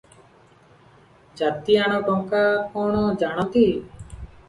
ଜାତିଆଣ ଟଙ୍କା କଣ ଜାଣନ୍ତି?